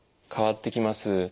変わってきます。